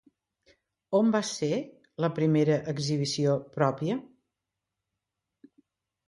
On va ser la seva primera exhibició pròpia?